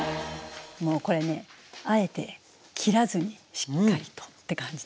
もうこれねあえて切らずにしっかりとって感じなんです。